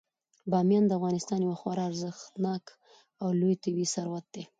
بامیان د افغانستان یو خورا ارزښتناک او لوی طبعي ثروت دی.